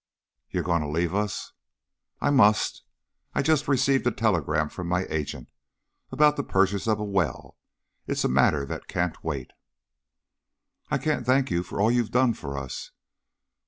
"You goin' to leave us?" "I must. I've just received a telegram from my my agent. About the purchase of a well. It is a matter that can't wait." "I can't thank you for all you done for us.